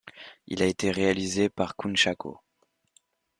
Il a été réalisé par Kunchacko.